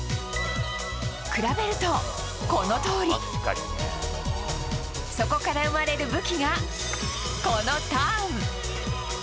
比べると、このとおり。そこから生まれる武器がこのターン。